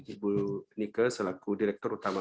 ibu nike selaku direktur utama